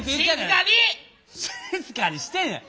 静かにしてんじゃん。